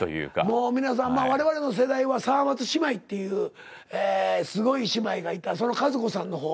もう皆さん我々の世代は沢松姉妹っていうええすごい姉妹がいたその和子さんの方。